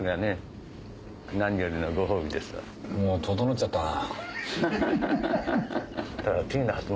もう整っちゃったな。